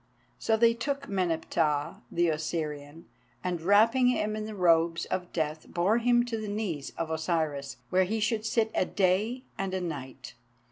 '" So they took Meneptah the Osirian, and wrapping him in the robes of death, bore him to the knees of Osiris, where he should sit a day and a night.